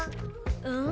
うん？